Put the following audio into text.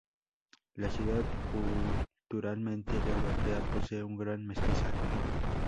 La ciudad, culturalmente europea, posee un gran mestizaje.